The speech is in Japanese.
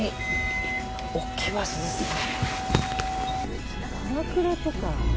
大きいバスですね。